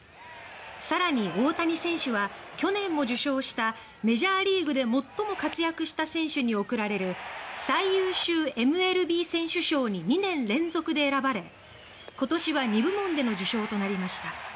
更に、大谷選手は去年も受賞したメジャーリーグで最も活躍した選手に贈られる最優秀ＭＬＢ選手賞に２年連続で選ばれ今年は２部門での受賞となりました。